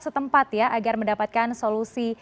setempat ya agar mendapatkan solusi